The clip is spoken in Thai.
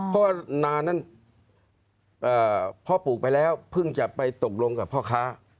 เพราะว่านานั้นพ่อปลูกไปแล้วเพิ่งจะไปตกลงกับพ่อค้า